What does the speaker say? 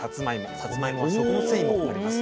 さつまいもは食物繊維も含まれます。